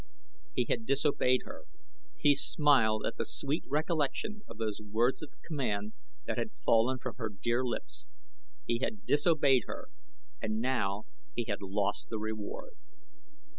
He had disobeyed her. He smiled at the sweet recollection of those words of command that had fallen from her dear lips. He had disobeyed her and now he had lost the reward.